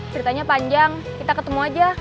ceritanya panjang kita ketemu aja